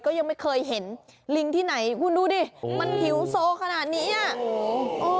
ก็ยังไม่เคยเห็นลิงที่ไหนคุณดูดิมันหิวโซขนาดนี้อ่ะโอ้โห